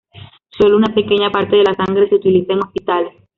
Sólo una pequeña parte de la sangre se utiliza en Hospitales.